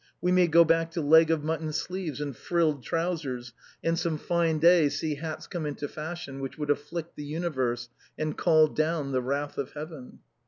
165 We may go back to leg of mutton sleeves and frilled trou sers, and some fine day see hats come into fashion which would afïlict the universe and call down the wrath of heaven.